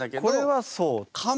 これはそう。